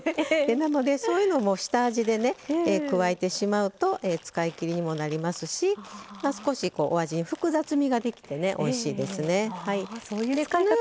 なので、そういうのも下味で加えてしまうと使いきりにもなりますし、少しお味に複雑味が出ておいしいですね。